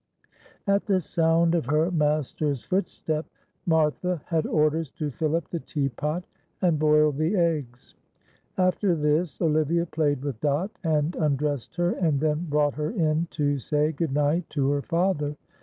At the sound of her master's footstep Martha had orders to fill up the teapot and boil the eggs. After this Olivia played with Dot, and undressed her, and then brought her in to say good night to her father.